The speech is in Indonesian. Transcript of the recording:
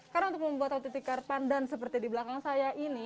karena untuk membuat satu tikar pandan seperti di belakang saya ini